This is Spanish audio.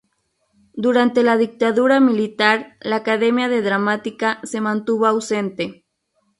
Durante la Dictadura Militar la Academia de Dramática se mantuvo ausente.